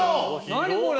何これ。